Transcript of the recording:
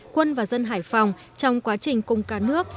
quân và dân hải phòng trong quá trình cung cá nước